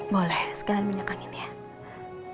boleh sekalian minyak angin ya